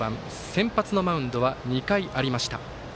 先発マウンドは２回ありました。